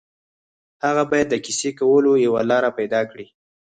هغه باید د کیسې کولو یوه لاره پيدا کړي